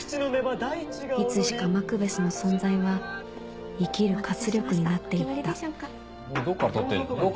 いつしかマクベスの存在は生きる活力になって行ったどっから撮ってんの？